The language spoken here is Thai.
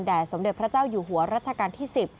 สมเด็จพระเจ้าอยู่หัวรัชกาลที่๑๐